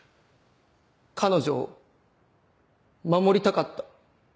彼女を守りたかった。